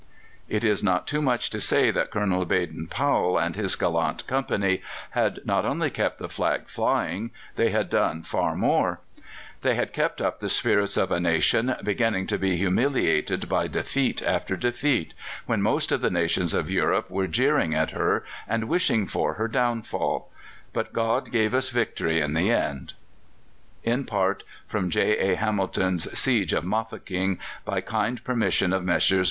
It is not too much to say that Colonel Baden Powell and his gallant company had not only kept the flag flying; they had done far more: they had kept up the spirits of a nation beginning to be humiliated by defeat after defeat, when most of the nations of Europe were jeering at her, and wishing for her downfall. But God gave us victory in the end. In part from J. A. Hamilton's "Siege of Mafeking," by kind permission of Messrs.